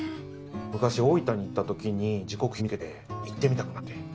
昔大分に行ったときに時刻表で見つけて行ってみたくなって。